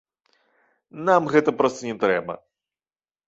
Нам гэта проста не трэба.